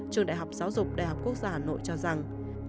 trường đại học giáo dục đại học quốc gia hà nội cho rằng